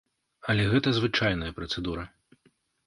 Але гэта звычайная працэдура.